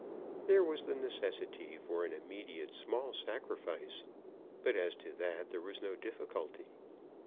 There was the necessity for an immediate small sacrifice, but as to that there was no difficulty.